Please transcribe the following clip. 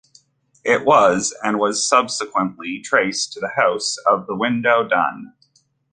It was, and was subsequently traced to the house of the widow Dun.